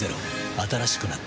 新しくなった